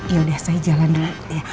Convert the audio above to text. yaudah saya jalan dulu